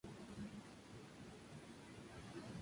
La "Teogonía," de Hesíodo.